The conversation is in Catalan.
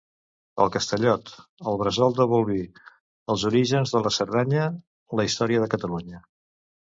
El Castellot; el bressol de Bolvir, els orígens de la Cerdanya, la història de Catalunya.